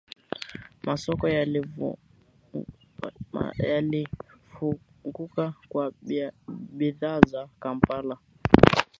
Masoko yalifunguka kwa bidhaa za Kampala